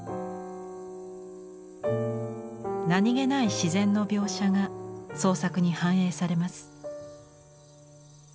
何気ない自然の描写が創作に反映されます。